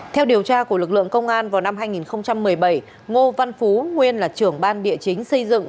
theo điều tra của lực lượng công an vào năm hai nghìn một mươi bảy ngô văn phú nguyên là trưởng ban địa chính xây dựng